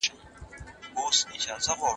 ښوونکي باید له شاګردانو ملاتړ وکړي.